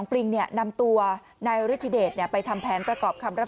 ปริงเนี่ยนำตัวนายฤทธิเดชไปทำแผนระกอบคำเรา